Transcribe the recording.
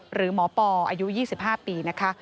หรือหมอปออายุ๒๕ปีนะคะ